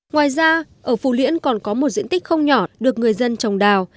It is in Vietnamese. ngoài ra ở phù liễn còn có một diện tích không nhỏ được người dân trồng đào